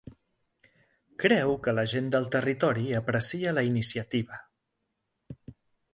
Creu que la gent del territori aprecia la iniciativa?